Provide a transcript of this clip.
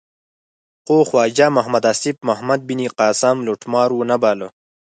خو خواجه محمد آصف محمد بن قاسم لوټمار و نه باله.